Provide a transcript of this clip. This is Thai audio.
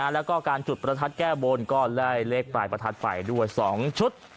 แล้วก็การจุดประทัดแก้บนก็ได้เลขปลายประทัดไปด้วย๒ชุด